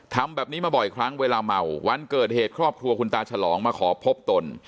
ทำแบบนี้มาบ่อยครั้งเวลาเมาวันเกิดเหตุครอบครัวคุณตาฉลองมาขอพบตน